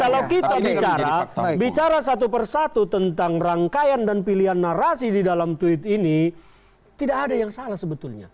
kalau kita bicara bicara satu persatu tentang rangkaian dan pilihan narasi di dalam tweet ini tidak ada yang salah sebetulnya